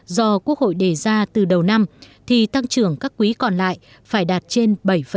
do quốc hội đề ra từ đầu năm thì tăng trưởng các quý còn lại phải đạt trên bảy